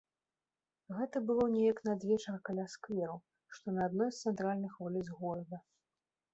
Гэта было неяк надвечар каля скверу, што на адной з цэнтральных вуліц горада.